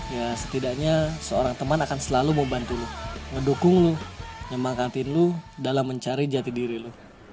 ya setidaknya seorang teman akan selalu mau bantu lo ngedukung lo nyemangkati lo dalam mencari jati diri lo